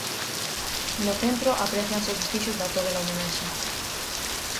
No centro aprécianse os vestixios da torre da homenaxe.